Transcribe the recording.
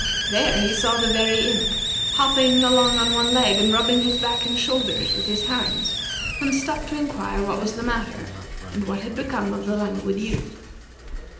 There he saw the Very Imp hopping along on one leg, and rubbing his back and shoulders with his hands, and stopped to inquire what was the matter, and what had become of the Languid Youth.